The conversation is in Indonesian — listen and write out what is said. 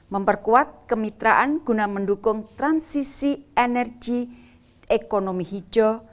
memperkuat kemitraan guna mendukung transisi energi ekonomi hijau